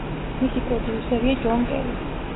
მისი პროდიუსერია ჯონ კელი.